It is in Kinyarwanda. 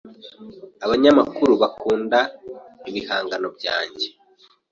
abanyamakuru, abakunda ibihangano byange